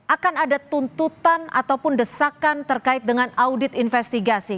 akan ada tuntutan ataupun desakan terkait dengan audit investigasi